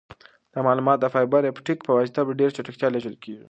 دا معلومات د فایبر اپټیک په واسطه په ډېر چټکتیا لیږل کیږي.